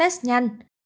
kết test nhanh